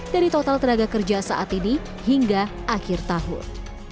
dari total tenaga kerja saat ini hingga akhir tahun